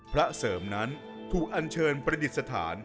พระเสริมนั้นถูกอันเชิญประดิษฐาน